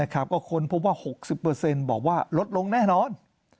ก็ค้นพบว่า๖๐บอกว่าลดลงแน่นอน